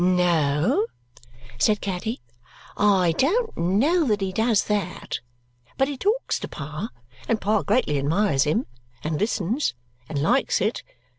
"No," said Caddy, "I don't know that he does that, but he talks to Pa, and Pa greatly admires him, and listens, and likes it.